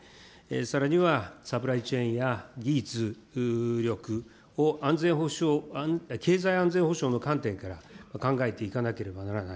さらにはサプライチェーンや技術力を経済安全保障の観点から考えていかなければならない。